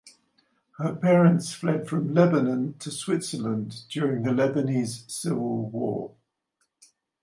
Her parents fled from Lebanon to Switzerland during the Lebanese Civil War.